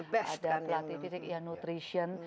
pelatih fisik ya nutrition